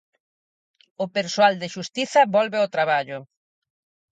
O persoal de xustiza volve ao traballo.